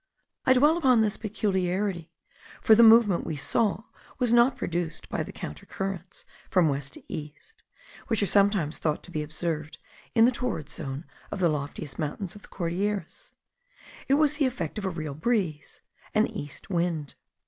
I dwell upon this peculiarity; for the movement we saw was not produced by the counter currents (from west to east) which are sometimes thought to be observed in the torrid zone on the loftiest mountains of the Cordilleras; it was the effect of a real breeze, an east wind.